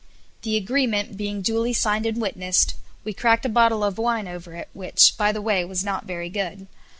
The agreement being duly signed and witnessed, we cracked a bottle of wine over it which, by the way, was not very good.